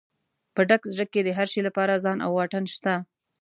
په ډک زړه کې د هر شي لپاره ځای او واټن شته.